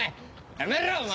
やめろお前！